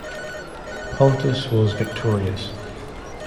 Pontus was victorious.